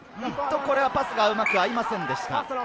これはパスがうまく合いませんでした。